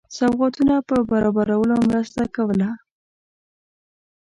سوغاتونو په برابرولو مرسته کوله.